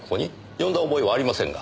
呼んだ覚えはありませんが。